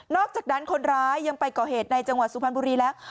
อกจากนั้นคนร้ายยังไปก่อเหตุในจังหวัดสุพรรณบุรีแล้ว